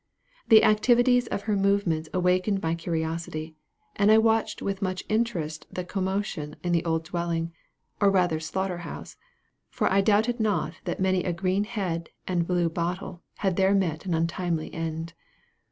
The activity of her movements awakened my curiosity, and I watched with much interest the commotion in the old dwelling, or rather slaughter house, for I doubted not that many a green head and blue bottle had there met an untimely end.